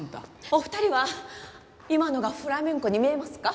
お二人は今のがフラメンコに見えますか？